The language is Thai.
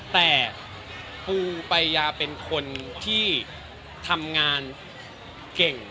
แต่ปูปายาเป็นคนที่ทำงานเก่ง